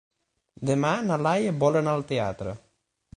Demà na Laia vol anar al teatre.